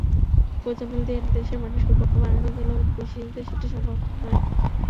গোঁজামিল দিয়ে দেশের মানুষকে বোকা বানানো গেলেও বিদেশিদের সেটি সম্ভব নয়।